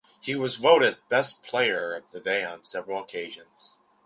He was voted best player of the day on several occasions.